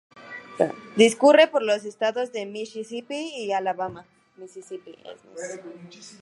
Discurre por los estados de Misisipi y Alabama.